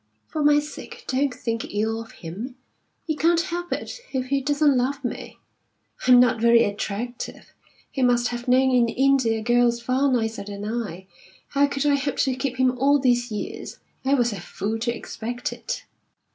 For my sake, don't think ill of him. He can't help it if he doesn't love me. I'm not very attractive; he must have known in India girls far nicer than I. How could I hope to keep him all these years? I was a fool to expect it."